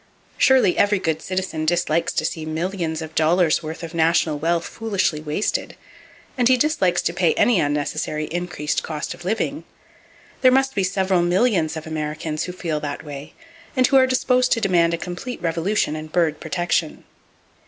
Surely every good citizen dislikes to see millions of dollar's worth of national wealth foolishly wasted, and he dislikes to pay any unnecessary increased cost of living. There must be several millions of Americans who feel that way, and who are disposed to demand a complete revolution in bird protection.